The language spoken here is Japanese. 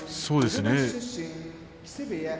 そうですね。